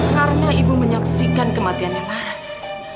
karena ibu menyaksikan kematiannya laras